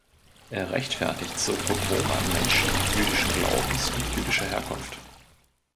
Er rechtfertigt so Pogrome an Menschen jüdischen Glaubens und jüdischer Herkunft.